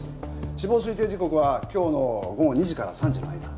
死亡推定時刻は今日の午後２時から３時の間。